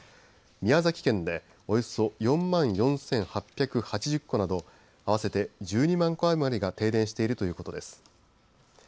宮崎県でおよそ４万４８８０戸など合わせて１２万戸余りが停電しているということです。